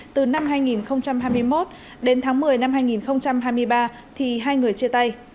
từ năm hai nghìn hai mươi một đến tháng một mươi năm hai nghìn hai mươi ba thì hai người chia tay